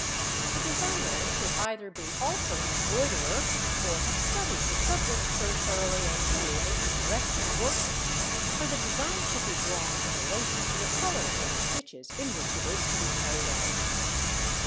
The designer should either be also an embroiderer or have studied the subject so thoroughly as to be able to direct the worker, for the design should be drawn in relation to the colours and stitches in which it is to be carried out.